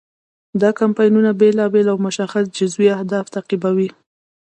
دا کمپاینونه بیلابیل او مشخص جزوي اهداف تعقیبوي.